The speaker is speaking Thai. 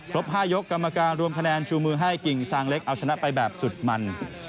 ๕ยกกรรมการรวมคะแนนชูมือให้กิ่งซางเล็กเอาชนะไปแบบสุดมัน